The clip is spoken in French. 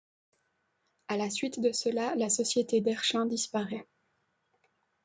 À la suite de cela, la Société d'Erchin disparaît.